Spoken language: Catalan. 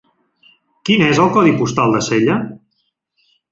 Quin és el codi postal de Sella?